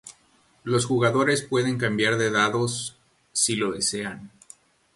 Los jugadores pueden cambiar de dados si lo desean.